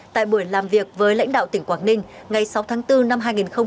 tại buổi làm việc với lãnh đạo tỉnh quảng ninh ngày sáu tháng bốn năm hai nghìn hai mươi